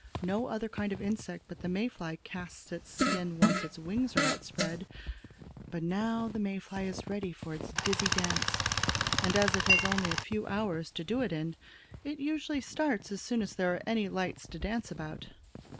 No other kind of insect but the May fly casts its skin once its wings are outspread. But now the May fly is ready for its dizzy dance. And as it has only a few hours to do it in, it usually starts as soon as there are any lights to dance about.